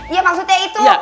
iya maksudnya itu